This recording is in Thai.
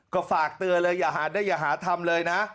ก็ฝากเตือนเลยอย่าหาได้อย่าหาทำเลยนะ